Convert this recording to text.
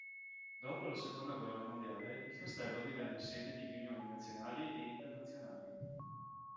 Dopo la Seconda guerra mondiale, il castello divenne sede di riunioni nazionali e internazionali.